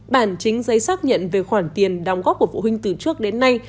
bản chính giấy xác nhận về khoản tiền đóng góp của phụ huynh từ trước đến nay